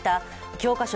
教科書